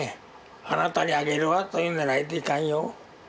あなたにあげるわというんじゃないといかんよ。